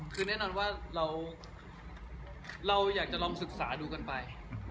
คือแน่นอนว่าเราอยากจะลองศึกษาดูกันไป